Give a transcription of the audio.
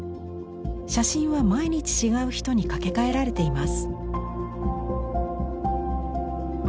写真は毎日違う人に掛け替えられています。